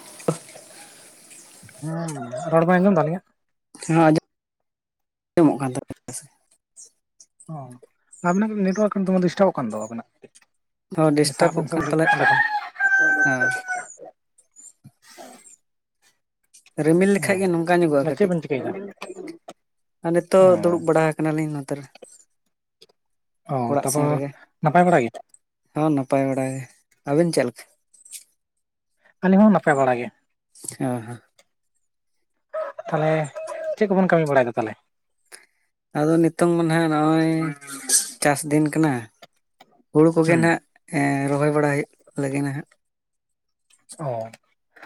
[unintelligible] ᱦᱸ ᱨᱚᱲ ᱵᱮᱱ ᱟᱡᱚᱢ ᱫᱟ ᱟᱞᱤᱧᱟᱜ? ᱦᱮᱸ ᱟᱡᱚ ᱟᱸᱡᱚᱢᱚᱜ ᱠᱟᱱ ᱛᱟ᱾ ᱚ ᱟᱵᱤᱱᱟᱜ ᱠᱟᱹᱴᱤᱡ ᱱᱮᱴᱚᱣᱟᱨᱠ ᱠᱚ ᱫᱚᱢᱮ ᱞᱮᱰᱤᱥᱴᱟᱵᱚᱜ ᱠᱟᱱ ᱫᱚ, ᱟᱵᱤᱱᱟᱜ ᱠᱟᱴᱤᱡ। ᱦᱚᱸ ᱰᱤᱥᱴᱟᱵᱚᱜ ᱠᱟᱱ ᱯᱟᱞᱮ, ᱦᱮᱸ ᱨᱤᱢᱤᱞ ᱞᱮᱠᱷᱟᱡ ᱜᱮ ᱚ ᱱᱚᱝᱠᱟ ᱧᱚᱜᱚᱜᱼᱟ ᱛᱟᱦᱚᱞᱮ ᱪᱮᱫ ᱠᱟᱹᱴᱤᱡ। ᱵᱮᱱ ᱪᱤᱠᱟᱹᱭᱮᱫᱟ ᱟᱨ ᱚ ᱱᱤᱛᱳᱜ ᱫᱩᱲᱩᱵ ᱵᱟᱲᱟ ᱠᱟᱱᱟᱞᱤᱧ ᱱᱚᱛᱮ ᱨᱮ। ᱚ ᱚᱲᱟᱜ ᱥᱮᱱ ᱛᱟᱯᱚᱨ ᱨᱮᱜᱮ ᱱᱟᱯᱟᱭ ᱵᱟᱲᱟ ᱜᱮ? ᱦᱚᱸ ᱱᱟᱯᱟᱭ ᱵᱟᱲᱟ ᱜᱮ, ᱟᱵᱤᱱ ᱪᱮᱫ ᱞᱮᱠᱟ? ᱟᱹᱞᱤᱧ ᱦᱚᱸ ᱱᱟᱯᱟᱭ ᱵᱟᱲᱟ ᱜᱮ᱾ ᱚ ᱦᱚ᱾ ᱛᱟᱦᱚᱞᱮ ᱪᱮᱜ ᱠᱚᱵᱚᱱ ᱠᱟᱹᱢᱤ ᱵᱟᱲᱟᱭ ᱮᱫᱟ ᱛᱟᱦᱚᱞᱮ? ᱟᱫᱚ ᱱᱤᱛᱚᱝ ᱢᱟ ᱱᱟᱦᱟᱜ ᱱᱚᱜᱚᱭ ᱪᱟᱥ ᱫᱤᱱ ᱠᱟᱱᱟ᱾ ᱦᱩᱲᱩ ᱠᱚᱜᱮ ᱦᱩᱸ ᱱᱟᱦᱟᱸᱜ ᱮ ᱨᱚᱦᱚᱭ ᱵᱟᱲᱟ ᱦᱩᱭᱩᱜ ᱞᱟᱹᱜᱤᱫ ᱦᱟᱸᱜ᱾ ᱚ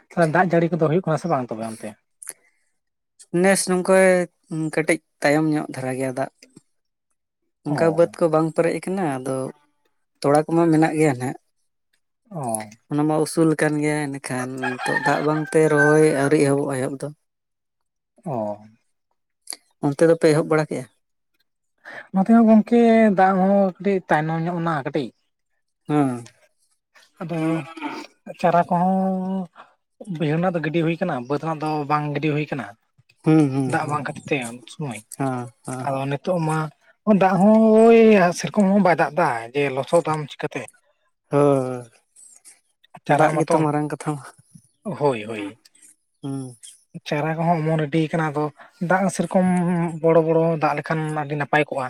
ᱛᱟᱦᱚ ᱫᱟᱜ ᱡᱟᱹᱲᱤ ᱠᱚᱫᱚ ᱦᱩᱭᱩᱜ ᱠᱟᱱᱟ ᱥᱮ ᱵᱟᱝ ᱛᱚᱵᱮ ᱚᱱᱛᱮ? ᱱᱮᱥ ᱱᱚᱝᱠᱟ ᱠᱟᱹᱴᱮᱡ ᱛᱟᱭᱚᱢ ᱧᱚᱜ ᱫᱷᱟᱨᱟ ᱜᱮᱭᱟ ᱫᱟᱜ᱾ ᱚ ᱚᱱᱠᱟ ᱵᱟᱹᱫᱽ ᱠᱚ ᱵᱟᱝ ᱯᱮᱨᱮᱡ ᱟᱠᱟᱱᱟ ᱟᱫᱚ ᱛᱚᱲᱟ ᱠᱚᱢᱟ ᱢᱮᱱᱟᱜ ᱜᱮᱭᱟ ᱦᱟᱸᱜ᱾ ᱚ ᱚᱱᱟᱢᱟ ᱩᱥᱩᱞ ᱠᱟᱱ ᱜᱮᱭᱟ ᱮᱱᱟᱹᱠᱷᱟᱱ ᱱᱤᱛᱚᱜ ᱫᱟᱜ ᱵᱟᱝᱛᱮ ᱨᱚᱦᱚᱭ ᱟᱹᱣᱨᱤ ᱮᱦᱚᱵᱚᱜ ᱟ ᱮᱦᱚᱵ ᱫᱚ᱾ ᱚ᱾ ᱚᱱᱛᱮ ᱫᱚᱯᱮ ᱮᱦᱚᱵ ᱵᱟᱲᱟ ᱠᱮᱜᱟ? ᱱᱚᱛᱮ ᱦᱚᱸ ᱜᱚᱝᱠᱮ ᱫᱟᱜ ᱦᱚᱸ ᱠᱟᱹᱴᱤᱡ ᱛᱟᱭᱱᱚᱢ ᱧᱚᱜ ᱱᱟ ᱠᱟᱹᱴᱤᱡ᱾ ᱚ᱾ ᱟᱫᱚ ᱪᱟᱨᱟ ᱠᱚᱦᱚᱸ ᱵᱟᱹᱭᱦᱟᱹᱲ ᱨᱮᱱᱟᱜ ᱫᱚ ᱜᱤᱰᱤ ᱦᱩᱭ ᱠᱟᱱᱟ ᱵᱟᱹᱫᱽ ᱨᱮᱱᱟᱜ ᱫᱚ ᱵᱟᱝ ᱜᱤᱰᱤ ᱦᱩᱭ ᱟᱠᱟᱱᱟ᱾ ᱦᱩᱸ ᱦᱩᱸ ᱫᱟᱜ ᱦᱩᱸ ᱵᱟᱝ ᱠᱷᱟᱹᱛᱤᱨ ᱛᱮ ᱩᱱ ᱥᱚᱢᱚᱭ, ᱦᱮᱸ ᱦᱮᱸ ᱟᱫᱚ ᱱᱤᱛᱳᱜ ᱢᱟ ᱫᱟᱜ ᱦᱚᱸ ᱳᱭ ᱥᱮᱨᱚᱠᱚᱢ ᱦᱚᱸ ᱵᱟᱭ ᱫᱟᱜ ᱮᱫᱟ ᱡᱮ ᱞᱚᱥᱚᱫ ᱟᱢ ᱪᱤᱠᱟᱛᱮ? [inaudible] ᱪᱟᱨᱟ ᱫᱟᱜ ᱜᱮᱛᱚ ᱢᱟᱛᱚ ᱢᱟᱨᱟᱝ ᱠᱟᱛᱷᱟ ᱢᱟ ᱦᱳᱭ ᱦᱳᱭ ᱦᱩᱸ᱾ ᱪᱟᱨᱟ ᱠᱚ ᱦᱚᱸ ᱚᱢᱚᱱ ᱨᱮᱰᱤᱭ ᱠᱟᱱᱟ ᱟᱫᱚ ᱫᱟᱜ ᱥᱮᱨᱚᱠᱚᱢ ᱵᱚᱲᱚ ᱵᱚᱲᱚ ᱫᱟᱜ ᱞᱮᱠᱷᱟᱱ ᱢᱟ ᱟᱹᱰᱤ ᱱᱟᱯᱟᱭ ᱠᱚᱜᱼᱟ᱾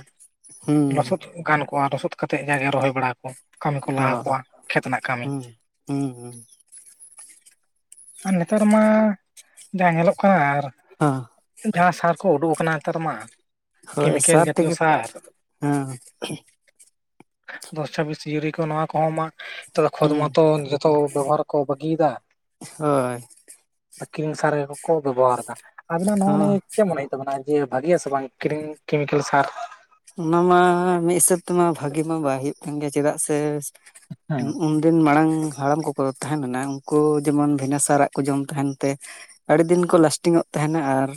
ᱦᱩᱸ ᱦᱩᱸ ᱞᱚᱥᱚᱫ ᱜᱟᱱ ᱠᱚᱣᱟ ᱞᱚᱥᱚᱫ ᱠᱟᱛᱮᱜ ᱡᱟᱜᱮ ᱨᱚᱦᱚᱭ ᱵᱟᱲᱟ ᱠᱚ᱾ ᱠᱟᱹᱢᱤ ᱠᱚ ᱞᱟᱦᱟ ᱦᱚᱸ ᱠᱚᱜᱼᱟ ᱠᱷᱮᱛ ᱨᱮᱱᱟᱜ ᱠᱟᱹᱢᱤ᱾ ᱦᱩᱸ ᱦᱩᱸ ᱦᱩᱸ᱾ ᱟᱨ ᱱᱮᱛᱟᱨ ᱢᱟ ᱡᱟ ᱧᱮᱞᱚᱜ ᱠᱟᱱᱟ ᱟᱨ ᱟᱻ ᱡᱟᱦᱟᱸ ᱥᱟᱨ ᱠᱚ ᱩᱰᱩᱠ ᱠᱚᱜ ᱠᱟᱱᱟ ᱱᱮᱛᱟᱨ ᱢᱟ᱾ ᱦᱳᱭ ᱠᱮᱢᱤᱠᱮᱞ ᱥᱟᱨ ᱡᱟᱛᱤᱭᱚ ᱛᱮᱜᱮ ᱥᱟᱨ᱾ ᱦᱮᱸ ᱫᱚᱥ ᱪᱷᱟᱵᱤᱥ ᱤᱭᱩᱨᱤ ᱠᱚ ᱱᱚᱣᱟ ᱠᱚᱦᱚᱸ ᱢᱟᱜ ᱛᱚᱵᱮ ᱦᱩᱸ ᱠᱷᱚᱫᱢᱟ ᱛᱚ ᱡᱚᱛᱚ ᱵᱮᱵᱚᱦᱟᱨ ᱠᱚ ᱵᱟᱹᱜᱤᱭᱮᱫᱟ᱾ ᱦᱳᱭ ᱟᱠᱤᱝ ᱥᱟᱨᱮ ᱠᱚᱠᱚ ᱵᱮᱵᱚᱦᱟᱨ ᱠᱟᱫᱟ ᱟᱵᱤᱱᱟᱜ ᱱᱚᱣᱟ ᱦᱚᱸ ᱱᱤᱭᱟᱹ ᱪᱮᱜ ᱢᱚᱱᱮ ᱛᱚᱵᱨᱟ ᱡᱤᱭᱟᱹ ᱵᱷᱟᱹᱜᱮᱭᱟ ᱥᱮ ᱵᱟᱝ ᱠᱨᱤᱝ ᱠᱮᱢᱤᱠᱮᱞ ᱥᱟᱨ? ᱚᱱᱟ ᱢᱟ ᱢᱤᱜ ᱦᱤᱥᱟᱹᱵ ᱛᱮᱢᱟ ᱵᱷᱟᱜᱤ ᱢᱟ ᱵᱟᱭ ᱦᱩᱭᱩᱜ ᱠᱟᱱ ᱜᱮᱭᱟ ᱪᱮᱫᱟᱜ ᱥᱮ ᱦᱮᱸ [unintelligible] ᱫᱤᱱ ᱢᱟᱲᱟᱝ ᱦᱟᱲᱟᱢ ᱠᱚᱠᱚ ᱛᱟᱦᱮᱸ ᱞᱮᱱᱟ ᱩᱱᱠᱩ ᱡᱮᱢᱚᱱ ᱵᱷᱤᱱᱟᱥᱟᱨᱟᱜ ᱠᱚ ᱡᱚᱢ ᱛᱟᱦᱮᱱ ᱛᱮ ᱟᱹᱰᱤ ᱫᱤᱱ ᱠᱚ ᱞᱟᱥᱴᱤᱝ ᱚᱜ ᱛᱟᱦᱮᱱᱟ ᱟᱨ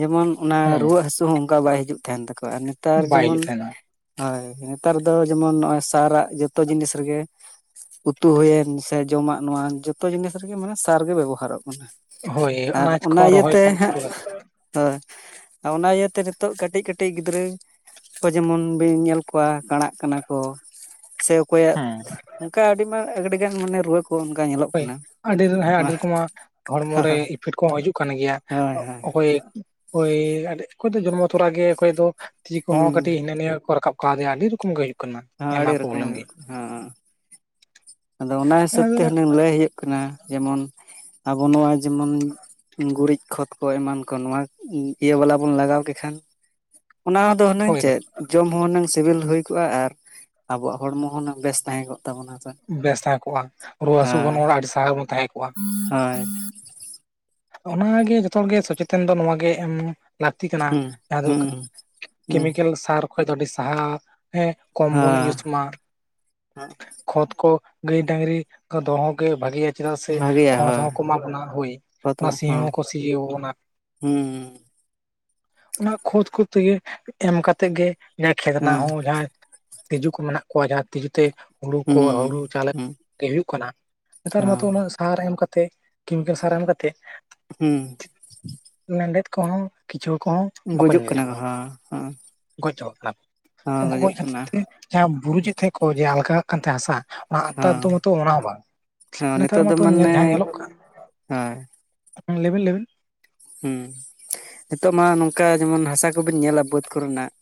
ᱡᱮᱢᱚᱱ ᱚᱱᱟ ᱦᱮᱸ ᱨᱩᱣᱟᱹᱜ ᱦᱟᱹᱥᱩ ᱦᱚᱹ ᱚᱱᱠᱟ ᱵᱟᱭ ᱦᱤᱡᱩᱜ ᱛᱟᱦᱮᱱ ᱛᱟᱠᱚᱣᱟ ᱟᱨ ᱱᱮᱛᱟᱨ ᱵᱟᱭ ᱡᱮᱢᱚᱱ ᱦᱤᱡᱩᱜ ᱛᱟᱦᱮᱱᱟ ᱦᱳᱭ ᱱᱮᱛᱟᱨ ᱫᱚ ᱡᱮᱢᱚᱱ ᱱᱚᱜᱚᱭ ᱥᱟᱨᱟᱜ ᱡᱚᱛᱚ ᱡᱤᱱᱤᱥ ᱨᱮᱜᱮ ᱩᱛᱩ ᱦᱩᱭᱮᱱ ᱥᱮ ᱡᱚᱢᱟᱜ ᱱᱚᱣᱟ ᱡᱚᱛᱚ ᱡᱤᱱᱤᱥ ᱨᱮᱜᱮ ᱢᱟᱱᱮ ᱥᱟᱨᱜᱮ ᱵᱮᱵᱚᱦᱟᱨᱚᱜ ᱠᱟᱱᱟ᱾ ᱦᱳᱭ ᱟᱨ ᱟᱱᱟᱪ ᱠᱚ ᱚᱱᱟ ᱨᱚᱦᱚᱭ ᱤᱭᱟᱹᱛᱮ ᱠᱷᱚᱱ ᱦᱟᱸᱜ ᱥᱩᱨᱩ ᱠᱟᱛᱮ᱾ ᱦᱳᱭ, ᱚᱱᱟ ᱤᱭᱟᱹᱛᱮ ᱱᱤᱛᱚᱜ ᱠᱟᱹᱴᱤᱡ ᱠᱟᱹᱴᱤᱡ ᱜᱤᱫᱽᱨᱟᱹ ᱠᱚ ᱡᱮᱢᱚᱱ ᱵᱤᱱ ᱧᱮᱞ ᱠᱚᱣᱟ ᱠᱟᱲᱟᱜ ᱠᱟᱱᱟ ᱠᱚ ᱥᱮ ᱚᱠᱚᱭᱟᱜ ᱦᱮᱸ ᱚᱱᱠᱟ ᱟᱹᱰᱤ ᱢᱟᱨ ᱟᱹᱰᱤ ᱜᱟᱱ ᱢᱟᱱᱮ ᱨᱩᱣᱟᱹ ᱠᱚ ᱚᱱᱠᱟ ᱧᱮᱞᱚᱜ ᱦᱳᱭ ᱠᱟᱱᱟ ᱟᱹᱰᱤ ᱨᱮᱱ ᱦᱮᱸ ᱟᱹᱰᱤ ᱦᱳᱭ ᱨᱚᱠᱚᱢᱟᱜ ᱦᱚᱲᱢᱚ ᱨᱮ ᱤᱯᱷᱮᱠᱴ ᱠᱚᱦᱚᱸ ᱦᱤᱡᱩᱜ ᱠᱟᱱ ᱜᱮᱭᱟ᱾ ᱦᱳᱭ ᱦᱳᱭ ᱚᱠᱚᱭ ᱳᱭ ᱚᱠᱚᱭ ᱫᱚ ᱡᱚᱱᱢᱚ ᱛᱚᱨᱟᱮ, ᱚᱠᱚᱭ ᱫᱚ ᱛᱤ ᱠᱚ ᱦᱚᱸ ᱦᱩᱸ ᱠᱟᱹᱴᱤᱡ ᱦᱤᱱᱟᱹ ᱱᱤᱭᱟᱹ ᱠᱚ ᱨᱟᱠᱟᱵ ᱠᱟᱨᱭᱟ ᱟᱹᱰᱤ ᱨᱚᱠᱚᱢ ᱜᱮ ᱦᱩᱭᱩᱜ ᱠᱟᱱᱟ ᱟᱹᱰᱤ ᱟᱭᱢᱟ ᱨᱚᱠᱚᱢ ᱯᱨᱚᱵᱞᱮᱢ ᱜᱮ᱾ ᱦᱩᱭᱩᱜ ᱠᱟᱱᱟ ᱦᱮᱸ ᱟᱫᱚ ᱚᱱᱟ ᱦᱤᱥᱟᱹᱵᱽ ᱛᱮ ᱦᱩᱱᱟᱹᱝ ᱞᱟᱹᱭ ᱦᱩᱭᱩᱜ ᱠᱟᱱᱟ ᱡᱮᱢᱚᱱ ᱟᱵᱚ ᱱᱚᱣᱟ ᱡᱮᱢᱚᱱ ᱜᱩᱨᱤᱡ ᱠᱷᱚᱛ ᱠᱚ ᱮᱢᱟᱱ ᱠᱚ ᱱᱚᱣᱟ ᱤᱭᱟᱹ ᱵᱟᱞᱟ ᱵᱚᱱ ᱞᱟᱜᱟᱣ ᱠᱮ ᱠᱷᱟᱱ, ᱚᱱᱟ ᱫᱚ ᱦᱩᱱᱟᱹᱝ ᱦᱳᱭ ᱪᱮᱫ? ᱡᱚᱢ ᱦᱚᱸ ᱦᱩᱱᱟᱹᱝ ᱥᱤᱵᱤᱞ ᱦᱩᱭ ᱠᱚᱜ-ᱟ, ᱟᱨ ᱟᱵᱚᱣᱟᱜ ᱦᱚᱲᱢᱚ ᱦᱚᱸ ᱦᱩᱱᱟᱹᱝ ᱵᱮᱥ ᱛᱟᱦᱮᱸ ᱠᱚᱜ ᱛᱟᱵᱚᱱᱟ ᱥᱮ᱾ ᱵᱮᱥ ᱛᱟᱦᱮᱸ ᱠᱚᱜ-ᱟ, ᱨᱩᱣᱟᱹ ᱦᱟᱹᱥᱩ ᱠᱷᱚᱱ ᱚᱲᱟᱜ ᱟᱹᱰᱤ ᱥᱟᱦᱟ ᱨᱮᱵᱚᱱ ᱛᱟᱦᱮᱸ ᱠᱚᱜ-ᱟ᱾ ᱦᱳᱭ᱾ ᱚᱱᱟᱜᱮ ᱡᱚᱛᱚ ᱦᱚᱲᱜᱮ ᱥᱚᱪᱮᱛᱚᱱ ᱫᱚ ᱱᱚᱣᱟᱜ ᱜᱮ ᱮᱢ ᱞᱟᱹᱠᱛᱤ ᱠᱟᱱᱟ, ᱦᱩᱸ ᱡᱟᱦᱟᱸ ᱫᱚ ᱦᱩᱸ ᱦᱩᱸ ᱠᱮᱢᱤᱠᱮᱞ ᱥᱟᱨ ᱠᱷᱚᱡ ᱫᱚ ᱟᱹᱰᱤ ᱥᱟᱦᱟᱨ ᱦᱮᱸ ᱠᱚᱢ ᱵᱚᱱ ᱤᱭᱩᱡᱽ ᱦᱮᱸ ᱢᱟ᱾ ᱠᱷᱚᱛ ᱠᱚ ᱜᱟᱹᱭ ᱰᱟᱹᱝᱨᱤ ᱚᱝᱠᱟ ᱫᱚᱦᱚ ᱜᱮ ᱵᱷᱟᱜᱮᱭᱟ ᱪᱮᱫᱟᱜ ᱥᱮ ᱵᱷᱟᱜᱮᱭᱟ ᱠᱷᱚᱲ ᱦᱳᱭ ᱦᱚᱸ ᱠᱚ ᱮᱢᱟ ᱵᱚᱱᱟ ᱦᱳᱭ, ᱾ ᱠᱚᱛᱚ ᱚᱱᱟ ᱥᱤ ᱦᱚᱸ ᱦᱚᱸᱠᱚ ᱥᱤᱭᱟᱹᱣᱟᱵᱚᱱᱟ᱾ ᱦᱩᱸ ᱚᱱᱟ ᱠᱷᱚᱛ ᱠᱚ ᱛᱮᱜᱮ ᱮᱢ ᱠᱟᱛᱮᱫ ᱜᱮ ᱡᱟᱦᱟᱸ ᱠᱷᱮᱛ ᱨᱮᱱᱟᱜ ᱦᱮᱸ ᱦᱚᱸ ᱡᱟᱦᱟᱸᱭ ᱛᱤᱡᱩ ᱠᱚ ᱢᱮᱱᱟᱜ ᱠᱚᱣᱟ ᱡᱟᱦᱟᱸ ᱛᱤᱡᱩᱛᱮ ᱦᱩᱲᱩ ᱠᱚ, ᱦᱩᱸ ᱦᱩᱲᱩ ᱪᱟᱞᱮ ᱦᱩᱸ ᱜᱮ ᱦᱩᱭᱩᱜ ᱠᱟᱱᱟ ᱱᱮᱛᱟᱨ ᱢᱟᱛᱚ ᱦᱚᱸ ᱩᱱᱟᱹᱜ ᱥᱟᱨ ᱮᱢ ᱠᱟᱛᱮᱜ ᱠᱤᱢᱠᱤᱱᱴ ᱥᱟᱨ ᱮᱢ ᱠᱟᱛᱮᱜ? ᱦᱩᱸ᱾ ᱞᱮᱸᱰᱮᱛ ᱠᱚᱦᱚᱸ ᱠᱤᱪᱷᱩᱭᱟᱹ ᱠᱚᱦᱚᱸ ᱦᱩᱸ ᱵᱟᱠᱚ ᱜᱩᱡᱩᱜ ᱧᱮᱞ ᱠᱟᱱᱟ ᱠᱚ ᱧᱟᱢᱚᱜ-ᱟ᱾ ᱦᱚᱸ ᱦᱚᱸ ᱜᱚᱡ ᱪᱵᱟᱜ ᱠᱟᱱᱟ, ᱦᱚᱸ ᱩᱝᱠᱩ ᱜᱩᱡᱩᱜ ᱜᱚᱡ ᱠᱷᱟᱹᱛᱤᱨ ᱠᱟᱱᱟ ᱛᱮ ᱡᱟᱦᱟᱸ ᱵᱩᱨᱩ ᱪᱮᱫ ᱠᱚ ᱡᱮ ᱟᱞᱜᱟᱜ ᱠᱟᱱ ᱛᱟᱦᱮᱸ ᱦᱟᱥᱟ ᱚᱱᱟ ᱛᱟᱨ ᱦᱚᱸ ᱫᱚ ᱢᱟᱛᱚ ᱚᱱᱟ ᱦᱚᱸ ᱵᱟᱝ ᱦᱚᱸ ᱱᱮᱛᱟᱨ ᱱᱤᱛᱚᱜ ᱫᱚ ᱢᱟᱛᱚ ᱢᱟᱱᱮ ᱡᱟᱦᱟᱸ ᱧᱮᱞᱚᱜ ᱠᱟᱱ ᱦᱳᱭ᱾ ᱞᱟᱹᱭᱵᱮᱱ ᱞᱟᱹᱭᱵᱮᱱ᱾ ᱦᱩᱸ, ᱱᱤᱛᱳᱜ ᱢᱟ ᱱᱚᱝᱠᱟ ᱡᱮᱢᱚᱱ ᱦᱟᱥᱟ ᱠᱚᱵᱮᱱ ᱧᱮᱞᱟ ᱵᱟᱹᱫᱽ ᱠᱚᱨᱮᱱᱟᱜ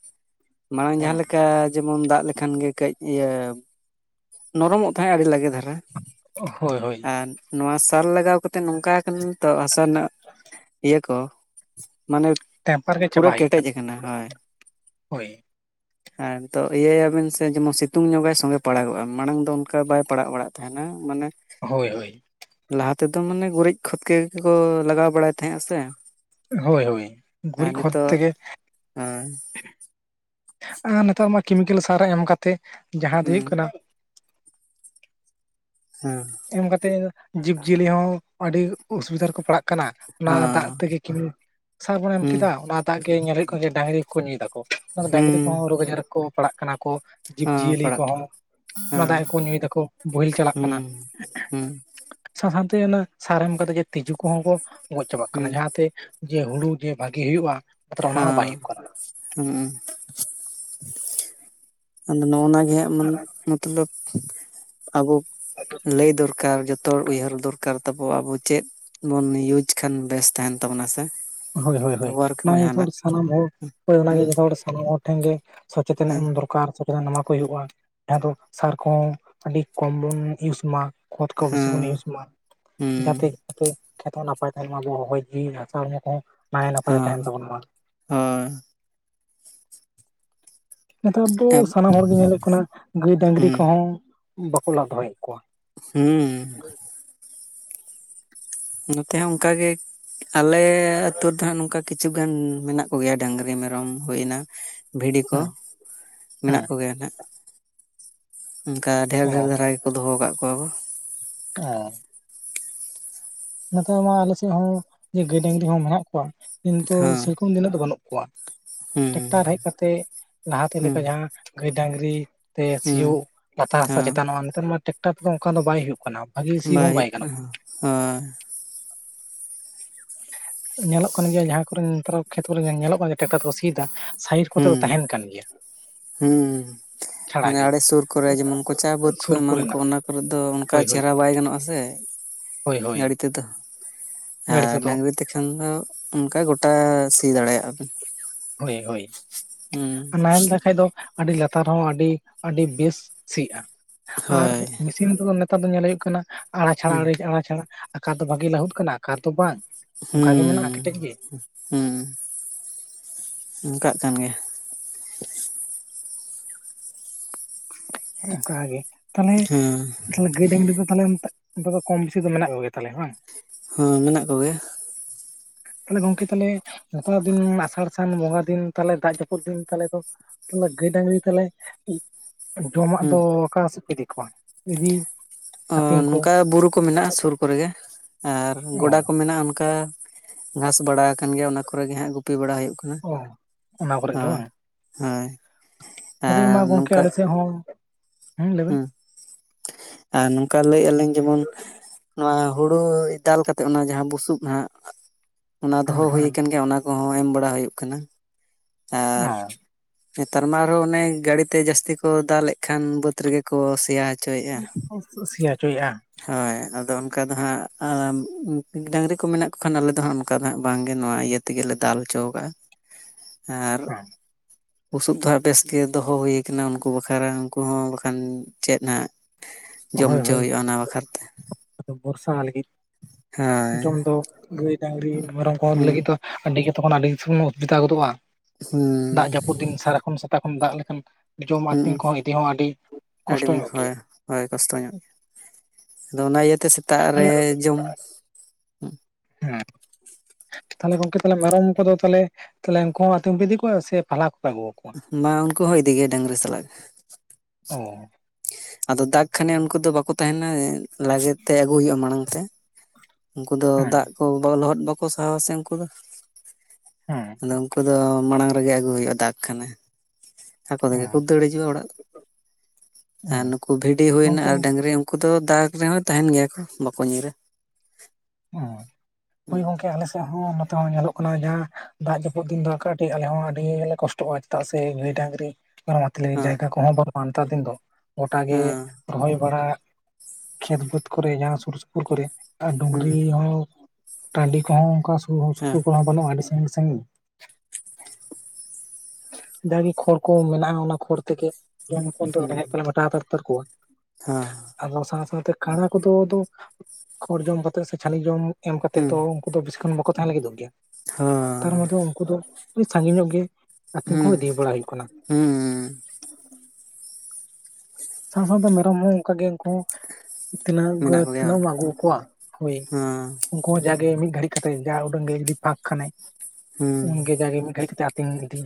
ᱢᱟᱲᱟᱝ ᱡᱟᱦᱟᱸ ᱞᱮᱠᱟ ᱡᱮ, ᱡᱮᱢᱚᱱ ᱫᱟᱜ ᱞᱮᱠᱷᱟᱱ ᱜᱮ ᱠᱟᱺᱡ ᱤᱭᱟᱹ ᱱᱚᱨᱚᱢᱚᱜ ᱛᱟᱦᱮᱸᱫ ᱟᱹᱰᱤ ᱞᱟᱜᱮ ᱫᱷᱟᱨᱟ᱾ ᱦᱳᱭ ᱦᱳᱭ ᱟᱨ ᱱᱚᱣᱟ ᱥᱟᱨ ᱞᱟᱜᱟᱣ ᱠᱟᱛᱮᱜ ᱱᱚᱝᱠᱟᱠ ᱛᱚ ᱦᱟᱥᱟ ᱨᱮᱱᱟᱜ [inaudible] ᱤᱭᱟᱹ ᱠᱚ ᱢᱟᱱᱮ ᱴᱮᱢᱯᱟᱨ ᱜᱮ ᱯᱩᱨᱟᱹ ᱪᱟᱵᱟ ᱦᱮᱡ ᱠᱮᱴᱮᱡ ᱟᱠᱟᱱᱟ ᱦᱳᱭ᱾ ᱦᱳᱭ ᱟᱨ ᱱᱤᱛᱳᱜ ᱤᱭᱟᱹᱭᱟᱵᱮᱱ ᱥᱮ ᱡᱮᱢᱚᱱ ᱥᱤᱛᱩᱝ ᱧᱚᱜᱟᱭ ᱥᱚᱸᱜᱮ ᱯᱟᱲᱟᱜᱚᱜ-ᱟ ᱢᱟᱲᱟᱝ ᱫᱚ ᱚᱱᱠᱟ ᱵᱟᱭ ᱯᱟᱲᱟᱜ ᱵᱟᱲᱟᱜ ᱛᱟᱦᱮᱸ᱾ ᱛᱟᱸᱦᱮᱱ ᱢᱟᱱᱮ ᱦᱳᱭ ᱦᱳᱭ᱾ ᱞᱟᱦᱟ ᱛᱮᱫᱚ ᱢᱟᱱᱮ ᱜᱩᱨᱤᱡ ᱠᱷᱚᱛ ᱜᱮᱠᱚ ᱞᱟᱜᱟᱣ ᱵᱟᱲᱟᱭ ᱛᱟᱦᱮᱸᱜ-ᱟ ᱥᱮ᱾ ᱦᱳᱭ ᱦᱳᱭ, ᱟᱨ ᱜᱩᱨᱤᱡ ᱠᱷᱚᱛ ᱱᱤᱛᱚᱜ ᱛᱮᱜᱮ ᱦᱮᱸ ᱟᱨ ᱱᱮᱛᱮᱨ ᱢᱟ ᱠᱮᱢᱤᱠᱮᱞ ᱥᱟᱨᱟ ᱮᱢ ᱠᱟᱛᱮ ᱡᱟᱦᱟᱸ ᱫᱚ ᱦᱩᱸ ᱦᱩᱭᱩᱜ ᱠᱟᱱᱟ ᱦᱩᱸ᱾ ᱮᱢ ᱠᱟᱛᱮᱫ ᱡᱤᱵᱽ ᱡᱤᱭᱟᱹᱞᱤ ᱦᱚᱸ ᱟᱹᱰᱤ ᱚᱥᱩᱵᱤᱫᱟ ᱨᱮᱠᱚ ᱯᱟᱲᱟᱜ ᱠᱟᱱᱟ᱾ ᱠᱟᱱᱟ ᱚᱱᱟ ᱦᱮᱸ ᱫᱟᱜ ᱛᱮᱜᱮ ᱠᱤᱱ ᱥᱟᱨ ᱵᱚᱱ ᱮᱢ ᱦᱩᱸ ᱠᱮᱫᱟ ᱚᱱᱟ ᱫᱟᱜ ᱜᱮ ᱧᱮᱞᱮᱫ ᱠᱚ ᱰᱟᱹᱟᱝᱨᱤ ᱠᱚ ᱧᱩᱭᱮᱫᱟ ᱠᱚ᱾ ᱠᱚ᱾ ᱦᱩᱸ ᱰᱟᱹᱟᱝᱨᱤ ᱠᱚᱦᱚᱸ ᱨᱳᱜᱽ ᱟᱡᱟᱨ ᱠᱚ ᱯᱟᱲᱟᱜ ᱠᱟᱱᱟ ᱠᱚ᱾ ᱡᱤᱵᱽ ᱦᱮᱸ ᱡᱤᱭᱟᱹᱞᱤ ᱯᱟᱲᱟᱜ ᱠᱚᱦᱚᱸ ᱚᱱᱟ ᱦᱮᱸ ᱫᱟᱜ ᱜᱮ ᱠᱚ ᱧᱩᱭ ᱫᱟᱠᱚ ᱵᱳᱦᱮᱞ ᱪᱟᱞᱟᱜ ᱠᱟᱱᱟ᱾ ᱦᱩᱸ ᱦᱩᱸ᱾ ᱥᱟᱶ ᱥᱟᱶᱛᱮ ᱚᱱᱟ ᱥᱟᱨ ᱮᱢ ᱠᱟᱛᱮ ᱛᱸᱤᱡᱩ ᱠᱚᱦᱚᱸ ᱠᱚ ᱜᱚᱡ ᱪᱟᱵᱟᱜ ᱠᱟᱱᱟ ᱦᱩᱸ ᱡᱟᱦᱟᱸᱛᱮ᱾ ᱡᱮ ᱦᱩᱲᱩ ᱡᱮ ᱵᱷᱟᱜᱤ ᱦᱩᱭᱩᱜᱭ-ᱟ᱾ ᱦᱚᱸ ᱦᱩᱸ᱾ ᱟᱫᱚ ᱱᱚᱜᱼᱚᱱᱟ ᱜᱮ ᱦᱟᱸᱜ ᱮᱢᱚᱱ ᱱᱚᱛᱮ ᱫᱚ ᱟᱵᱚ ᱞᱟᱹᱭ ᱫᱚᱨᱠᱟᱨ ᱡᱚ ᱛᱚ ᱦᱚᱲ ᱩᱭᱦᱟᱹᱨ ᱫᱚᱨᱠᱟᱨ ᱛᱟᱵᱚ ᱟᱵᱚ ᱪᱮᱫ ᱵᱚᱱ ᱤᱭᱩᱡᱽ ᱠᱷᱟᱱ ᱵᱮᱥ ᱛᱟᱦᱮᱱ ᱛᱟᱵᱚᱱᱟ ᱥᱮ᱾ ᱦᱳᱭ ᱦᱳᱭ ᱦᱳᱭ ᱵᱮᱵᱚᱦᱟᱨ ᱠᱟᱵᱚ ᱚᱱᱟᱜᱮ ᱡᱟᱦᱟᱱᱟᱜ ᱡᱷᱚᱛᱚ ᱦᱚᱲ, ᱦᱳᱭ ᱚᱱᱟᱜᱮ ᱦᱮᱸ ᱡᱷᱚᱛᱚ ᱦᱚᱲ ᱥᱟᱱᱟᱢ ᱦᱚᱲ ᱴᱷᱮᱱ ᱜᱮ ᱥᱚᱪᱮᱛᱚᱱ ᱦᱮᱸ ᱮᱢ ᱫᱚᱨ ᱠᱟᱨ ᱥᱚᱪᱮᱛᱚᱱ ᱮᱢᱟ ᱠᱚ ᱦᱩᱭᱩᱜᱼᱟ ᱡᱟᱦᱟᱸ ᱫᱚ ᱥᱟᱨ ᱠᱚᱦᱚᱸ ᱟᱹᱰᱤ ᱠᱚᱢ ᱵᱚᱱ ᱤᱭᱩᱡᱽ ᱢᱟ᱾ ᱠᱷᱚᱛ ᱠᱚ ᱵᱮᱥᱤ ᱵᱚᱱ ᱦᱮᱸ ᱤᱭᱩᱡᱽ ᱢᱟ᱾ ᱡᱟᱛᱮ [inaudible] ᱠᱷᱮᱛ ᱦᱚᱸ ᱱᱟᱯᱟᱭ ᱛᱟᱦᱮᱱ ᱢᱟ ᱟᱵᱚᱣᱟᱜ ᱦᱚᱭ ᱡᱤᱣᱤ ᱦᱟᱥᱟ ᱦᱚᱲᱢᱚ ᱠᱚᱦᱚᱸ ᱱᱟᱭ ᱱᱟᱯᱟᱭ ᱛᱮ ᱛᱟᱦᱮᱱ ᱛᱟᱵᱚᱱ ᱢᱟ᱾ ᱟᱸᱻ ᱱᱮᱛᱟᱨ ᱫᱚ ᱥᱟᱱᱟᱢ ᱦᱚᱲ ᱜᱮ ᱧᱮᱞᱚᱜ ᱠᱟᱱᱟ ᱜᱟᱹᱭ ᱰᱟᱹᱝᱨᱤ ᱦᱮᱸ ᱠᱚᱦᱚᱸ ᱵᱟᱠᱚ ᱞᱟᱫ ᱫᱚᱦᱚᱭᱮᱫ ᱠᱚᱣᱟ᱾ ᱦᱩᱸ᱾ ᱱᱚᱛᱮ ᱦᱚᱸ ᱚᱱᱠᱟ ᱜᱮ ᱟᱞᱮ ᱟᱹᱛᱩ ᱨᱮᱫᱚ ᱦᱟᱸᱜ ᱱᱚᱝᱠᱟ ᱠᱤᱪᱷᱩ ᱜᱟᱱ ᱢᱮᱱᱟᱜ ᱠᱚᱜᱮᱭᱟ ᱰᱟᱝᱨᱤ ᱢᱮᱨᱚᱢ ᱦᱩᱭᱮᱱᱟ ᱵᱷᱤᱰᱤ ᱦᱮᱸ ᱠᱚ ᱢᱮᱱᱟᱜ ᱦᱮᱸ ᱠᱚᱜᱮᱭᱟ ᱱᱟᱦᱟᱜ᱾ ᱚᱱᱠᱟ ᱰᱷᱮᱨ ᱚ ᱰᱷᱮᱨ ᱫᱷᱟᱨᱟ ᱜᱮᱠᱚ ᱫᱚᱦᱚ ᱟᱠᱟᱫ ᱠᱚᱣᱟ ᱠᱚ᱾ ᱚ᱾ ᱱᱮᱛᱟᱨ ᱢᱟ ᱟᱞᱮ ᱥᱮᱫ ᱦᱚᱸ ᱡᱮ ᱜᱟᱹᱭ ᱰᱟᱹᱝᱨᱤ ᱦᱚᱸ ᱢᱮᱱᱟᱜ ᱠᱚᱣᱟ ᱠᱤᱱᱛᱩ ᱦᱮᱸ ᱥᱮᱨᱚᱠᱚᱢ ᱫᱚ ᱩᱱᱟᱹᱜ ᱫᱚ ᱵᱟᱹᱱᱩᱜ ᱠᱚᱫᱟ ᱠᱚᱣᱟ, ᱦᱮᱸ ᱴᱮᱠᱴᱟᱨ ᱦᱮᱡ ᱠᱟᱛᱮ ᱞᱟᱦᱟᱛᱮ ᱦᱮᱸ ᱞᱮᱠᱟ ᱡᱟᱦᱟᱸ ᱜᱟᱹᱭ ᱰᱟᱝᱨᱤ ᱛᱮ ᱦᱮᱸ ᱥᱤᱭᱳᱜ ᱞᱟᱛᱟᱨ ᱦᱟᱥᱟ ᱦᱮᱸ ᱪᱮᱛᱟᱱᱚᱜᱼᱟ ᱱᱮᱛᱟᱨ ᱢᱟ ᱴᱮᱠᱴᱟᱨ ᱛᱮᱫᱚ ᱚᱱᱠᱟ ᱫᱚ ᱵᱟᱭ ᱦᱩᱭᱩᱜ ᱠᱟᱱᱟ᱾ ᱵᱷᱟᱹᱜᱤ ᱥᱤ ᱵᱟᱭ ᱦᱚᱸ ᱦᱩᱭᱩᱜ ᱜᱟᱱᱚᱜ ᱠᱟᱱᱟ ᱦᱳ, ᱦᱳᱭ᱾ ᱧᱮᱞᱚᱜ ᱠᱟᱱ ᱜᱮᱭᱟ ᱡᱟᱦᱟᱸ ᱠᱚᱨᱮ ᱱᱮᱛᱟᱨ ᱠᱷᱮᱛ ᱠᱚᱨᱮ ᱜᱮ ᱧᱮᱞᱚᱜ ᱵᱟᱝ ᱡᱮ ᱴᱮᱠᱴᱟᱨ ᱛᱮᱠᱚ ᱥᱤᱭᱮᱫᱟ ᱥᱟᱭᱤᱰ ᱠᱚᱛᱮ ᱫᱚ ᱛᱟᱦᱮᱱ ᱠᱟᱱ ᱜᱮᱭᱟ᱾ ᱦᱩᱸ᱾ ᱪᱷᱟᱲᱟ ᱢᱟᱱᱮ ᱜᱮ ᱟᱲᱮ ᱥᱩᱨ ᱠᱚᱨᱮ ᱡᱮᱢᱚᱱ ᱠᱚᱪᱟ ᱵᱟᱹᱫ ᱠᱚ ᱥᱩᱨ ᱮᱢᱟᱱ ᱠᱚ ᱠᱚᱨᱮᱱᱟᱜ ᱚᱱᱟ ᱠᱚᱨᱮᱜ ᱫᱚ ᱚᱱᱠᱟ ᱦᱳᱭ ᱦᱳᱭ ᱪᱮᱦᱨᱟ ᱵᱟᱭ ᱜᱟᱱᱚᱜ-ᱟ ᱥᱮ᱾ ᱦᱳᱭ ᱦᱳᱭ ᱜᱟᱹᱲᱤ ᱛᱮᱫᱚ, ᱜᱟᱹᱰᱤ ᱟᱨ ᱛᱮᱫᱚ ᱰᱟᱝᱨᱤ ᱛᱮᱠᱷᱟᱱ ᱫᱚ ᱚᱱᱠᱟ ᱜᱚᱴᱟ ᱥᱤ ᱫᱟᱲᱮᱭᱟᱜ-ᱟ ᱵᱤᱱ᱾ ᱦᱩᱸ ᱟᱨ ᱱᱟᱦᱮᱞ ᱛᱮᱠᱷᱟᱡ ᱫᱚ ᱟᱹᱰᱤ ᱞᱟᱛᱟᱨ ᱦᱚᱸ ᱟᱹᱰᱤ ᱟᱹᱰᱤ ᱵᱮᱥ ᱥᱤ-ᱟ ᱟᱨ ᱦᱳᱭ ᱢᱤ ᱥᱤᱱ ᱛᱮᱫᱚ ᱱᱮᱛᱟᱨ ᱫᱚ ᱧᱮᱞ ᱦᱩᱭᱩᱜ ᱠᱟᱱᱟ ᱟᱲᱟ ᱪᱷᱟᱲᱟ ᱦᱩᱸ ᱟᱹᱲᱮ ᱟᱲᱟ ᱪᱷᱟᱲᱟ ᱟᱠᱟ ᱨᱮᱫᱚ ᱵᱷᱟᱜᱮ ᱞᱟᱹᱦᱩᱫ ᱠᱟᱱᱟ ᱟᱠᱟ ᱨᱮᱫᱚ ᱵᱟᱝ, ᱚᱱᱠᱟ ᱜᱮ ᱢᱮᱱᱟᱜᱼᱟ ᱠᱮᱴᱮᱡ ᱦᱩᱸ ᱜᱮ᱾ ᱦᱩᱸ᱾ ᱚᱱᱠᱟᱜ ᱠᱟᱱ ᱜᱮᱭᱟ᱾ ᱚᱱᱠᱟ ᱜᱮ ᱛᱟᱞᱦᱮ ᱦᱮᱸ ᱛᱟᱞᱦᱮ ᱜᱟᱹᱭ ᱰᱟᱝᱨᱤ ᱠᱚ ᱛᱟᱞᱦᱮ ᱛᱟ ᱱᱮᱛᱟᱨ ᱫᱚ ᱠᱚᱢ ᱵᱤᱥᱤ ᱫᱚ ᱢᱮᱱᱟᱜ ᱠᱚᱜᱮᱭᱟ ᱛᱟᱞᱦᱮ, ᱵᱟᱝ? ᱦᱚᱸ ᱢᱮᱱᱟᱜ ᱠᱚᱜᱮᱭᱟ᱾ ᱛᱟᱞᱦᱮ ᱜᱚᱝᱠᱮ ᱛᱟᱞᱦᱮ ᱱᱮᱛᱟᱨ ᱫᱤᱱ ᱟᱥᱟᱲ ᱥᱟᱱ ᱵᱚᱸᱜᱟ ᱫᱤᱱ ᱛᱟᱞᱦᱮ ᱫᱟᱜ ᱡᱟᱹᱯᱩᱫ ᱫᱤᱱ ᱛᱟᱞᱦᱮ ᱫᱚ ᱛᱟᱞᱦᱮ ᱜᱟᱹᱭ ᱰᱟᱝᱨᱤ ᱛᱟᱞᱦᱮ ᱡᱚᱢᱟᱜ ᱦᱮᱸ ᱫᱚ ᱚᱠᱟ ᱥᱮᱫ ᱠᱚ ᱤᱫᱤ ᱠᱚᱣᱟ? ᱤᱫᱤ ᱚ ᱟᱹᱛᱤᱧ ᱠᱚ ᱱᱚᱝᱠᱟ ᱵᱩᱨᱩ ᱠᱚ ᱢᱮᱱᱟᱜᱼᱟ ᱥᱩᱨ ᱠᱚᱨᱮᱜᱮ ᱟᱨ ᱜᱚᱰᱟ ᱚ ᱠᱚ ᱢᱮᱱᱟᱜᱼᱟ ᱚᱱᱠᱟ ᱜᱷᱟᱥ ᱵᱟᱲᱟ ᱟᱠᱟᱱ ᱜᱮᱭᱟ ᱚᱱᱟ ᱠᱚᱨᱮ ᱜᱮ ᱦᱟᱸᱜ ᱜᱩᱯᱤ ᱵᱟᱲᱟ ᱦᱩᱭᱩᱜ ᱠᱟᱱᱟ, ᱚ ᱚᱱᱟ ᱠᱚᱨᱮ ᱜᱮ ᱦᱳᱭ᱾ ᱵᱟᱝ ᱦᱳᱭ᱾ ᱱᱚᱛᱮ ᱫᱚ ᱟᱨ ᱢᱟ ᱜᱚᱝᱠᱮ ᱟᱞᱮ ᱥᱮᱫ ᱦᱚᱸ ᱦᱮᱸ ᱞᱟᱹᱭᱵᱮᱱ ᱦᱩᱸ, ᱟᱨ ᱱᱚᱝᱠᱟ ᱞᱟᱹᱭᱮᱜᱼᱟ ᱞᱤᱧ ᱡᱮᱢᱚᱱ ᱱᱚᱣᱟ ᱦᱩᱲᱩ ᱫᱟᱞ ᱠᱟᱛᱮᱫ ᱚᱱᱟ ᱡᱟᱦᱟᱸ ᱵᱩᱥᱩᱵ ᱦᱟᱸᱜ ᱚᱱᱟ ᱦᱮᱸ ᱫᱚᱦᱚ ᱦᱩᱭ ᱦᱮᱸ ᱟᱠᱟᱱ ᱜᱮᱭᱟ ᱚᱱᱟ ᱠᱚᱦᱚᱸ ᱮᱢ ᱵᱟᱲᱟ ᱦᱩᱭᱩᱜ ᱠᱟᱱᱟ᱾ ᱟᱨ ᱚ᱾ ᱱᱮᱛᱟᱨ ᱢᱟ ᱟᱨᱦᱚᱸ ᱚᱱᱮ ᱜᱟᱹᱲᱤ ᱛᱮ ᱡᱟᱹᱥᱛᱤ ᱠᱚ ᱫᱟᱞ ᱮᱫ ᱠᱷᱟᱱ ᱵᱟᱹᱫᱽ ᱨᱮᱜᱮ ᱠᱚ ᱥᱮᱭᱟ ᱦᱚᱪᱚᱭᱮᱫᱼᱟ [unintelligible] ᱥᱤᱭᱟ ᱦᱚᱪᱚᱭᱮᱜᱼᱟ᱾ ᱦᱳᱭ ᱟᱫᱚ ᱚᱱᱠᱟ ᱫᱚ ᱦᱟᱸᱜ ᱰᱟᱹᱝᱨᱤ ᱠᱚ ᱢᱮᱱᱟᱜ ᱠᱚ ᱠᱷᱟᱱ ᱟᱞᱮ ᱫᱚ ᱦᱟᱸᱜ ᱚᱱᱠᱟ ᱫᱚ ᱦᱟᱸᱜ ᱵᱟᱝ ᱜᱮ ᱱᱚᱣᱟ ᱤᱭᱟᱹ ᱛᱮᱜᱮᱞᱮ ᱫᱟᱞ ᱦᱚᱪᱚ ᱠᱟᱜᱼᱟ ᱟᱨ ᱵᱩᱥᱩᱵ ᱫᱚ ᱦᱟᱸᱜ ᱵᱮᱥᱜᱮ ᱫᱚᱦᱚ ᱦᱩᱭ ᱠᱟᱱᱟ ᱩᱱᱠᱩ ᱵᱟᱠᱷᱨᱟ ᱩᱱᱠᱩ ᱦᱚᱸ ᱵᱟᱠᱷᱟᱱ ᱪᱮᱫ ᱦᱟᱸᱜ ᱡᱚᱢ ᱦᱚᱪᱚ ᱦᱳᱭᱳᱜ-ᱟ ᱚᱱᱟ ᱵᱟᱠ ᱵᱷᱚᱨᱥᱟ ᱞᱟᱹᱜᱤᱫ ᱦᱳᱭ ᱡᱚᱢ ᱫᱚ ᱜᱟᱹᱭ ᱰᱟᱹᱝᱨᱤ ᱢᱮᱨᱚᱢ ᱠᱚ ᱦᱩᱸ ᱞᱟᱹᱜᱤᱫ ᱫᱚ ᱟᱹᱰᱤ ᱜᱮ ᱛᱚᱠᱷᱚᱱ ᱟᱹᱰᱤ ᱚᱥᱩᱵᱤᱫᱷᱟ ᱜᱚᱫᱚᱜᱼᱟ᱾ ᱦᱩᱸ ᱫᱟᱜ ᱡᱟᱹᱯᱩᱫ ᱫᱤᱱ ᱥᱟᱨᱟ ᱠᱷᱚᱱ ᱥᱮᱛᱟᱜ ᱠᱷᱚᱱ ᱫᱟᱜ ᱞᱮᱠᱟᱱ ᱡᱚᱢ ᱟᱹᱛᱤᱧ ᱦᱩᱸ ᱠᱚᱦᱚᱸ ᱤᱫᱤ ᱦᱚᱸ ᱟᱹᱰᱤ ᱟᱹᱰᱤ ᱠᱚᱥᱴᱚ ᱧᱚᱜ ᱦᱳᱭ ᱜᱮᱭᱟ᱾ ᱦᱳᱭ ᱠᱚᱥᱴᱚ ᱧᱚᱜ ᱜᱮ ᱟᱫᱚ ᱚᱱᱟ ᱤᱭᱟᱹᱛᱮ ᱥᱮᱛᱟᱜ ᱦᱮᱸ ᱨᱮ ᱡᱚᱢ ᱦᱮᱸ᱾ ᱛᱟᱦᱞᱮ ᱜᱚᱝᱠᱮ ᱛᱟᱦᱞᱮ ᱢᱮᱨᱚᱢ ᱠᱚᱫᱚ ᱛᱮ ᱩᱱᱠᱩ ᱦᱚᱸ ᱟᱛᱤᱧ ᱠᱚ ᱤᱫᱤ ᱠᱚᱣᱟ ᱥᱮ ᱯᱟᱞᱟ ᱠᱚᱯᱮ ᱟᱹᱜᱩᱣᱟ ᱠᱚ ᱵᱟᱝ ᱩᱱᱠᱩ ᱦᱚᱸ ᱤᱫᱤ ᱜᱮᱭᱟ ᱰᱟᱹᱝᱨᱤ ᱥᱟᱞᱟᱜ᱾ ᱚ ᱟᱫᱚ ᱫᱟᱜ ᱠᱷᱟᱱᱮ ᱩᱱᱠᱩ ᱫᱚ ᱵᱟᱠᱚ ᱛᱟᱦᱮᱱᱟ ᱞᱟᱜᱮ ᱛᱮ ᱟᱹᱜᱩ ᱦᱩᱭᱩᱜᱼᱟ ᱢᱟᱲᱟᱝ ᱛᱮ᱾ ᱩᱱᱠᱩ ᱫᱚ ᱦᱮᱸ ᱫᱟᱜ ᱠᱚ ᱞᱚᱦᱚᱫ ᱵᱟᱠᱚ ᱥᱟᱦᱟᱣᱟ ᱥᱮ ᱩᱱᱠᱩ ᱫᱚ᱾ ᱦᱮᱸ ᱟᱫᱚ ᱩᱱᱠᱩ ᱫᱚ ᱢᱟᱲᱟᱝ ᱨᱮᱜᱮ ᱟᱹᱜᱩ ᱦᱩᱭᱩᱜᱼᱟ ᱫᱟᱜ ᱠᱷᱟᱱᱮ᱾ ᱟᱠᱚ ᱛᱮᱜᱮ ᱠᱚ ᱦᱮᱸ ᱫᱟᱹᱲ ᱦᱤᱡᱩᱜᱼᱟ ᱚᱲᱟᱜ ᱟᱨ ᱦᱮᱸ ᱱᱩᱠᱩ ᱵᱷᱤᱰᱤ ᱦᱩᱭᱱᱟ ᱜᱚᱝᱠᱮ ᱟᱨ ᱰᱟᱹᱝᱨᱤ ᱩᱱᱠᱩ ᱫᱚ ᱫᱟᱜ ᱨᱮᱦᱚᱸ ᱛᱟᱦᱮᱱ ᱜᱮᱭᱟ ᱠᱚ ᱵᱟᱠᱚ ᱧᱤᱨᱟ᱾ ᱦᱩᱸ ᱦᱩᱸ ᱦᱳᱭ ᱜᱚᱝᱠᱮ ᱟᱞᱮ ᱥᱮᱫ ᱦᱚᱸ ᱱᱚᱛᱮ ᱦᱚᱸ ᱧᱮᱞᱚᱜ ᱡᱟᱦᱟ ᱫᱟᱜ ᱡᱟᱹᱯᱩᱫ ᱫᱤᱱ ᱫᱚ ᱠᱟᱹᱴᱤᱡ ᱟᱞᱮ ᱦᱚᱸ ᱟᱹᱰᱤ ᱜᱮᱞᱮ ᱠᱚᱥᱴᱚᱜᱼᱟ ᱪᱮᱫᱟᱜ ᱥᱮ ᱜᱟᱹᱭ ᱰᱟᱹᱝᱨᱤ ᱢᱮᱨᱚᱢ ᱟᱛᱤᱧ ᱞᱟᱹᱜᱤᱫ ᱦᱮᱸ ᱡᱟᱭᱜᱟ ᱠᱚᱦᱚᱸ ᱵᱟᱹᱱᱩᱜᱼᱟ ᱱᱮᱛᱟᱨ ᱫᱤᱱ ᱫᱚ ᱜᱚᱴᱟᱜ ᱜᱮ᱾ ᱦᱮᱸ ᱨᱚᱦᱚᱭ ᱵᱟᱲᱟ ᱠᱷᱮᱛ ᱵᱟᱹᱫᱽ ᱠᱚᱨᱮ ᱡᱟᱦᱟᱸ ᱥᱩᱨ ᱥᱩᱯᱩᱨ ᱠᱚᱨᱮ ᱟᱨ ᱦᱩᱸ ᱰᱩᱝᱨᱤ ᱦᱚᱸ ᱴᱟᱸᱰᱤ ᱠᱚᱦᱚᱸ ᱚᱱᱠᱟ ᱥᱩᱨ ᱦᱮᱸ ᱥᱩᱯᱩᱨ ᱠᱚᱦᱚᱸ ᱵᱟᱹᱱᱩᱜᱼᱟ ᱟᱹᱰᱤ ᱥᱟᱸᱜᱤᱧ ᱥᱟᱸᱜᱤᱧ ᱡᱟᱜᱮ ᱠᱷᱚᱲ ᱠᱚ ᱢᱮᱱᱟᱜᱼᱟ ᱚᱱᱟ ᱠᱷᱚᱲ ᱛᱮᱜᱮ ᱡᱚᱢ ᱠᱚ ᱫᱚ ᱨᱮᱸᱜᱮᱡ ᱠᱚᱞᱮ ᱢᱮᱴᱟᱣ ᱛᱟᱠᱚᱣᱟ᱾ ᱦᱮᱸ᱾ ᱟᱫᱚ ᱥᱟᱶ ᱥᱟᱶ ᱛᱮ ᱠᱟᱲᱟ ᱠᱚᱫᱚ ᱠᱷᱚᱲ ᱡᱚᱢ ᱠᱟᱛᱮᱫ ᱥᱮ ᱪᱷᱟᱹᱱᱤ ᱡᱚᱢ ᱮᱢ ᱠᱟᱛᱮᱫ ᱦᱮᱸ ᱫᱚ ᱩᱱᱠᱩ ᱫᱚ ᱵᱮᱥᱤ ᱠᱷᱚᱱ ᱵᱟᱠᱚ ᱛᱟᱦᱮᱸᱱ ᱞᱟᱹᱜᱤᱫᱚᱜ ᱜᱮᱭᱟ ᱦᱩᱸ ᱛᱟᱨ ᱦᱚᱸ ᱢᱚᱫᱽᱫᱷᱮ ᱩᱱᱠᱩ ᱫᱚ ᱟᱹᱰᱤ ᱥᱟᱺᱜᱤᱧ ᱧᱚᱜ ᱜᱮ ᱟᱛᱤᱧ ᱦᱩᱸ ᱠᱚᱦᱚᱸ ᱤᱫᱤ ᱵᱟᱲᱟ ᱦᱩᱭᱩᱜ ᱠᱟᱱᱟ᱾ ᱦᱩᱸ ᱥᱟᱶ ᱥᱟᱶ ᱛᱮ ᱢᱮᱨᱚᱢ ᱦᱚᱸ ᱚᱱᱠᱟ ᱜᱮ ᱩᱱᱠᱩ ᱛᱤᱱᱟᱹᱜ ᱜᱟᱹ ᱢᱮᱱᱟᱜ ᱠᱚᱜᱮᱭᱟ ᱛᱤᱱᱟᱹᱜ ᱵᱟᱝ ᱮᱢ ᱟᱹᱜᱩ ᱠᱚᱣᱟ ᱦᱳᱭ᱾ ᱦᱮᱸ ᱩᱱᱠᱩ ᱦᱚᱸ ᱡᱟᱜᱮ ᱢᱤᱫ ᱜᱷᱟᱹᱲᱤᱡ ᱠᱟᱛᱮ ᱡᱟ ᱩᱰᱟᱹᱝ ᱜᱮ ᱡᱩᱫᱤ ᱯᱷᱟᱠ ᱠᱷᱟᱱᱮ ᱦᱩᱸ ᱩᱱᱜᱮ ᱡᱮ ᱢᱤᱫ ᱜᱷᱟᱹᱲᱤ ᱠᱟᱛᱮ ᱟᱹᱛᱤᱝ ᱤᱫᱤ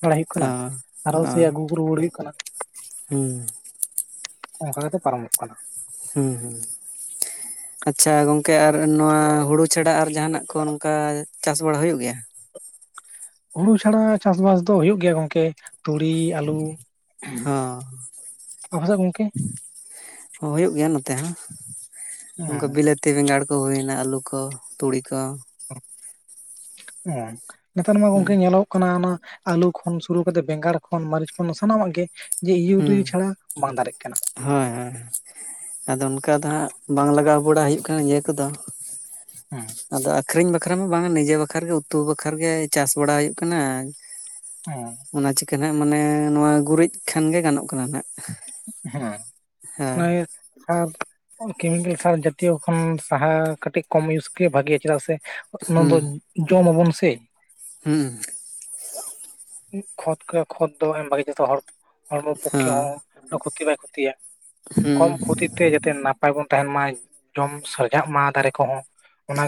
ᱵᱟᱲᱟᱭ ᱦᱩᱭᱩᱜ ᱠᱟᱱᱟ ᱦᱮᱸ ᱟᱨᱚ ᱥᱮ ᱦᱮᱸ ᱟᱹᱜᱩ ᱠᱚ ᱨᱩᱣᱟᱹᱲ ᱦᱩᱭᱩᱜ ᱠᱟᱱᱟ᱾ ᱦᱩᱸ᱾ ᱚᱱᱠᱟ ᱜᱮᱛᱚ ᱯᱟᱨᱚᱢᱚᱜ ᱠᱟᱱᱟ᱾ ᱦᱩᱸ ᱦᱩᱸ᱾ ᱟᱪᱪᱷᱟ ᱜᱚᱝᱠᱮ ᱟᱨ ᱱᱚᱣᱟ ᱦᱩᱲᱩ ᱪᱷᱟᱰᱟ ᱟᱨ ᱡᱟᱦᱟᱱᱟᱜ ᱠᱚ ᱱᱚᱝᱠᱟ ᱪᱟᱥ ᱵᱟᱲᱟ ᱦᱩᱭᱩᱜ ᱜᱮᱭᱟ᱾ ᱦᱩᱲᱩ ᱪᱷᱟᱲᱟ ᱪᱟᱥ ᱵᱟᱥ ᱫᱚ ᱦᱩᱭᱩᱜ ᱜᱮᱭᱟ ᱜᱚᱝᱠᱮ᱾ ᱛᱩᱲᱤ ᱟᱹᱞᱩ ᱦᱚᱸ ᱟᱯᱮ ᱥᱮᱫ ᱜᱚᱝᱠᱮ᱾ ᱦᱚᱧᱸ ᱦᱩᱭᱩᱜ ᱜᱮᱭᱟ ᱱᱚᱛᱮ ᱦᱚᱸ ᱱᱚᱝᱠᱟ ᱦᱮᱸ ᱵᱤᱞᱟᱹᱛ ᱛᱤ ᱵᱮᱸᱜᱟᱲ ᱠᱚ ᱦᱩᱭᱱᱟ ᱟᱹᱞᱩ ᱠᱚ ᱛᱩᱲᱤ ᱠᱚ᱾ ᱚ ᱱᱮᱛᱟᱨ ᱢᱟ ᱜᱚᱝᱠᱮ ᱦᱩᱸ ᱧᱮᱞᱚᱜ ᱚᱱᱟ ᱟᱞᱩ ᱠᱷᱚᱱ ᱥᱩᱨᱩ ᱠᱟᱛᱮ ᱵᱮᱸᱜᱟᱲ ᱠᱷᱚᱱ ᱢᱟᱹᱨᱤᱪ ᱥᱟᱱᱟᱢᱟᱜ ᱜᱮ ᱡᱮ ᱦᱩᱸ ᱤᱭᱩᱨᱤᱭᱟᱹ ᱪᱷᱟᱲᱟ ᱵᱟᱝ ᱫᱟᱲᱮᱜ ᱠᱟᱱᱟ᱾ ᱦᱳᱭ ᱦᱳᱭ ᱟᱫᱚ ᱚᱱᱠᱟ ᱫᱚ ᱦᱟᱸᱜ ᱵᱟᱝ ᱞᱟᱜᱟᱣ ᱵᱟᱲᱟ ᱦᱩᱭᱩᱜ ᱠᱟᱱᱟ ᱤᱭᱟᱹ ᱠᱚᱫᱚ᱾ ᱦᱮᱸ ᱟᱫᱚ ᱟᱹᱠᱷᱨᱤᱧ ᱵᱟᱠᱷᱨᱟ ᱢᱟ ᱵᱟᱝ ᱱᱤᱡᱮ ᱵᱟᱠᱷᱨᱟ ᱜᱮ ᱩᱛᱩ ᱵᱟᱠᱷᱨᱟ ᱜᱮ ᱪᱟᱥ ᱵᱟᱲᱟ ᱦᱩᱭᱩᱜ ᱠᱟᱱᱟ᱾ ᱦᱮᱸ ᱚᱱᱟ ᱪᱤᱠᱟᱹ ᱱᱟᱜ ᱢᱟᱱᱮ ᱱᱚᱣᱟ ᱜᱩᱨᱤᱡ ᱠᱷᱟᱱ ᱜᱮ ᱜᱟᱱᱚᱜ ᱠᱟᱱᱟ ᱦᱟᱸᱜ᱾ ᱦᱮᱸ [unintelligible] ᱟᱨ ᱠᱮᱢᱤᱠᱮᱞ ᱠᱷᱟᱨ ᱡᱟᱹᱛᱤᱭᱚ ᱠᱷᱚᱱ ᱥᱟᱦᱟ ᱠᱟᱹᱴᱤᱡ ᱠᱚᱢ ᱤᱭᱩᱡᱽ ᱜᱮ ᱵᱷᱟᱜᱮᱭᱟ᱾ ᱪᱮᱫᱟᱜ ᱥᱮ ᱚᱱᱟ ᱦᱩᱸ ᱫᱚ ᱡᱚᱢ ᱟᱵᱚᱱ ᱥᱮ᱾ ᱦᱩᱸ᱾ ᱠᱷᱚᱛ ᱠᱚ, ᱠᱷᱚᱛ ᱫᱚ ᱮᱢ ᱵᱷᱟᱜᱤ ᱡᱷᱚᱛᱚ ᱦᱚᱲ ᱦᱚᱲᱢᱚ ᱯᱚᱠᱠᱷᱮ ᱦᱚᱸ ᱠᱷᱚᱛᱤ ᱵᱟᱭ ᱠᱷᱚᱛᱤᱭᱟ, ᱠᱚᱢ ᱠᱷᱚᱛᱤ ᱛᱮ ᱡᱟᱛᱮ ᱱᱟᱯᱟᱭ ᱵᱚᱱ ᱛᱟᱦᱮᱱ ᱢᱟ ᱡᱚᱢ ᱥᱟᱡᱟᱜ ᱢᱟ ᱫᱟᱨᱮ ᱠᱚᱦᱚᱸ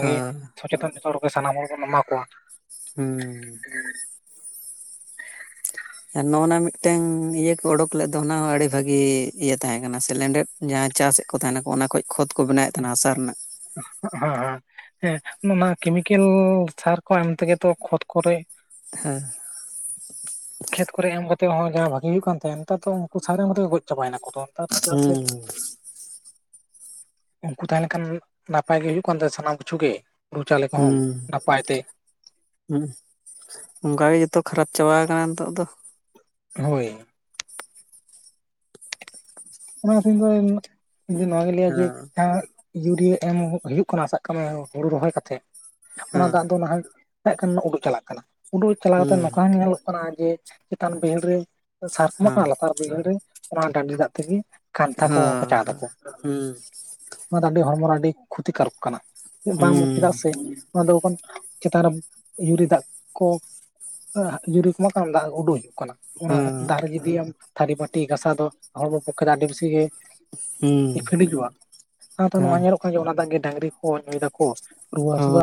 ᱦᱩᱸ ᱦᱚᱸ ᱥᱚᱪᱮᱛᱚᱱ ᱡᱷᱚᱛᱚ ᱦᱚᱲᱜᱮ ᱥᱟᱱᱟᱢ ᱦᱚᱲ ᱵᱚᱱ ᱮᱢᱟ ᱠᱚᱣᱟ᱾ ᱦᱩᱸ᱾ [inaudible] ᱟᱨ ᱱᱚᱜ-ᱱᱟ ᱢᱤᱫᱴᱟᱹᱝ ᱤᱭᱟᱹ ᱠᱚ ᱚᱰᱚᱠ ᱞᱮᱫ ᱫᱚ ᱚᱱᱟ ᱦᱚᱸ ᱟᱹᱰᱤ ᱵᱷᱟᱜᱤ ᱤᱭᱟᱹ ᱛᱟᱦᱮᱸ ᱠᱟᱱᱟ ᱥᱤᱞᱤᱱᱰᱟᱨ᱾ ᱡᱟᱦᱟᱸ ᱪᱟᱥᱮᱜ ᱠᱚ ᱛᱟᱸᱦᱮᱱᱟᱠᱚ ᱚᱱᱟ ᱠᱷᱚᱱ ᱠᱷᱚᱛ ᱠᱚ ᱵᱮᱱᱟᱣᱮᱫ ᱛᱟᱸᱦᱮᱱᱟ ᱦᱟᱥᱟ ᱨᱮᱱᱟᱜ᱾ ᱦᱚᱸ ᱦᱚᱸ᱾ ᱦᱮᱸ ᱚᱱᱟ ᱠᱮᱢᱤᱠᱮᱞ ᱥᱟᱨ ᱠᱚ ᱮᱢ ᱛᱮᱜᱮ ᱛᱚ ᱠᱷᱚᱛ ᱠᱚᱨᱮ ᱦᱮᱸ᱾ ᱠᱷᱮᱛ ᱠᱚᱨᱮ ᱮᱢ ᱠᱟᱛᱮᱜ ᱦᱚᱸ ᱡᱟᱦᱟᱸᱭ ᱵᱷᱟᱜᱤ ᱦᱩᱭᱩᱜ ᱠᱟᱱ ᱛᱟᱦᱮᱸᱫ, ᱱᱮᱛᱟᱨ ᱫᱚ ᱩᱱᱠᱩ ᱥᱟᱨ ᱮᱢ ᱛᱮᱜᱮ ᱜᱚᱡ ᱪᱟᱵᱟᱭᱮᱱᱟ ᱠᱚᱫᱚ ᱱᱮᱛᱟᱨ ᱪᱮᱫᱟᱜ ᱥᱮ, ᱩᱝᱠᱩ ᱛᱟᱦᱮᱸᱞᱮᱱᱠᱷᱟᱱ ᱱᱟᱯᱟᱭ ᱜᱮ ᱦᱩᱭᱩᱜ ᱠᱟᱱ ᱛᱟᱦᱮᱸᱜ ᱥᱟᱱᱟᱢ ᱠᱤᱪᱷᱩ ᱜᱮ, ᱦᱩᱲᱩ ᱪᱟᱣᱞᱮ ᱠᱚᱦᱚᱸ ᱦᱩᱸ ᱱᱟᱯᱟᱭ ᱛᱮ ᱦᱩᱸ, ᱚᱝᱠᱟ ᱜᱮ ᱡᱚᱛᱚ ᱠᱷᱟᱨᱟᱯ ᱪᱟᱵᱟ ᱟᱠᱟᱱᱟ ᱱᱤᱛᱚᱜ ᱫᱚ᱾ ᱦᱳᱭ᱾ ᱚᱱᱟ ᱠᱷᱟᱛᱤᱨ ᱜᱮ ᱤᱧ ᱫᱚ ᱱᱚᱣᱟᱜᱤᱧ ᱞᱟᱹᱭᱟ ᱡᱮ ᱦᱮᱸ ᱮᱸᱻ ᱤᱭᱩᱨᱤᱭᱟᱹ ᱮᱢ ᱦᱩᱭᱩᱜ ᱠᱟᱱᱟ ᱥᱟᱵ ᱠᱟᱜ ᱢᱮ ᱦᱩᱲᱩ ᱨᱚᱦᱚᱭ ᱠᱟᱛᱮᱜ, ᱚᱱᱟ ᱦᱮᱸ ᱫᱟᱜ ᱫᱚ ᱱᱟᱦᱟᱜ ᱱᱟᱜ ᱠᱷᱟᱱ ᱩᱰᱩᱜ ᱪᱟᱞᱟᱜ ᱠᱟᱱᱟ, ᱩᱰᱩᱠ ᱪᱟᱞᱟᱣ ᱠᱟᱛᱮ ᱦᱩᱸ ᱱᱚᱝᱠᱟ ᱧᱮᱞᱚᱜ ᱠᱟᱱᱟ ᱡᱮ ᱪᱮᱛᱟᱱ ᱵᱟ. ᱭᱦᱟᱹᱲ ᱨᱮ ᱥᱟᱨ ᱠᱚ ᱮᱢᱟᱜ ᱦᱮᱸ ᱠᱟᱱᱟ ᱞᱟᱛᱟᱨ ᱵᱟᱹᱭᱦᱟᱹᱲ ᱨᱮ ᱚᱱᱟ ᱰᱟᱰᱤ ᱫᱟᱜ ᱛᱮᱜᱮ ᱠᱟᱱᱛᱷᱟ ᱠᱚ ᱦᱮᱸ ᱠᱟᱪᱟᱣ ᱫᱟᱠᱚ᱾ ᱦᱮᱸ ᱦᱩᱸ ᱚᱱᱟ ᱫᱚ ᱟᱹᱰᱤ ᱦᱚᱲᱢᱚ ᱨᱮ ᱟᱹᱰᱤ ᱠᱷᱚᱛᱤᱠᱟᱨᱚᱠ ᱠᱟᱱᱟ᱾ ᱵᱟᱝ ᱦᱩᱸ ᱪᱮᱫᱟᱜ ᱥᱮ ᱚᱱᱟ ᱫᱚᱠᱷᱚᱱ ᱪᱮᱛᱟᱱ ᱨᱮ ᱤᱭᱩᱨᱤ ᱫᱟᱜ ᱠᱚ ᱡᱩᱨᱤ ᱠᱚᱢᱟ ᱠᱚ ᱫᱟᱜ ᱩᱰᱩᱝ ᱠᱟᱱᱟ, ᱚᱱᱟ ᱦᱮᱸ ᱫᱟᱜ ᱨᱮ ᱡᱩᱫᱤ ᱟᱢ ᱛᱷᱟᱹᱨᱤ ᱵᱟᱹᱴᱤ ᱜᱟᱥᱟᱣ ᱫᱚ ᱦᱚᱲᱢᱚ ᱯᱚᱠᱠᱷᱮ ᱫᱚ ᱟᱹᱰᱤ ᱵᱮᱥᱤ ᱜᱮ ᱦᱩᱸ ᱦᱮᱸ ᱤᱯᱷᱮᱴᱤᱡᱚᱜ-ᱟ, ᱚᱱᱟ ᱛᱟᱭᱱᱚᱢ ᱟᱝᱨᱚᱯ ᱠᱚ ᱚᱱᱟ ᱫᱟᱜ ᱜᱮ ᱰᱟᱹᱝᱨᱤ ᱠᱚ ᱧᱩᱭ ᱫᱟᱠᱚ ᱨᱩᱣᱟᱹ ᱦᱳᱭ ᱦᱟᱹᱥᱩ ᱫᱚ